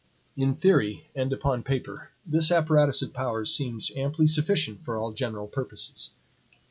In theory, and upon paper, this apparatus of powers seems amply sufficient for all general purposes.